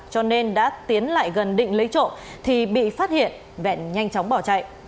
cho nên đã tiến lại gần định lấy trộm thì bị phát hiện vẹn nhanh chóng bỏ chạy